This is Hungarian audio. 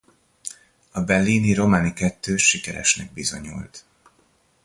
A Bellini–Romani kettős sikeresnek bizonyult.